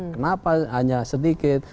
kenapa hanya sedikit